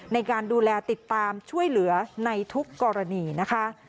ในการดูแลติดตามช่วยเหลือในทุกกรณีนะคะ